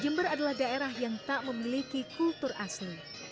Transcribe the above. jember adalah daerah yang tak memiliki kultur asli